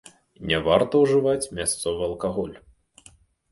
Не варта ўжываць мясцовы алкаголь.